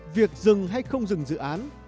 việc dừng hay không dừng dự án